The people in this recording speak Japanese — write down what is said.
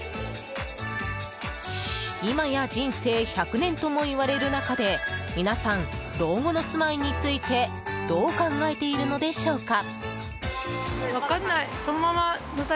今や人生１００年ともいわれる中で皆さん、老後の住まいについてどう考えているのでしょうか。